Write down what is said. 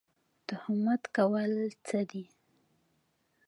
تهمت کول څه دي؟